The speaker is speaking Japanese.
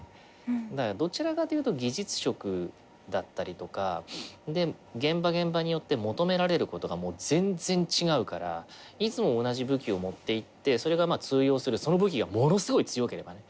だからどちらかというと技術職だったりとかで現場現場によって求められることが全然違うからいつも同じ武器を持っていってそれが通用するその武器がものすごい強ければね。